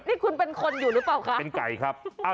นี่คุณเป็นคนอยู่หรือเปล่าคะเป็นไก่ครับ